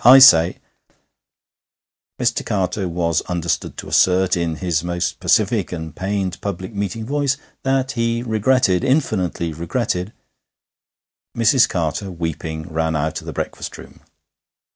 I say ' Mr. Carter was understood to assert, in his most pacific and pained public meeting voice, that he regretted, infinitely regretted Mrs. Carter, weeping, ran out of the breakfast room.